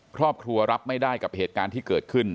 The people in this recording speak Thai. ครอบครัวรับไม่ได้กับเหตุการณ์ที่เกิดขึ้น